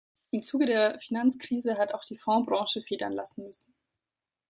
Im Zuge der Finanzkrise hat auch die Fondsbranche Federn lassen müssen.